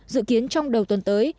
dự kiến trong đầu tuần tới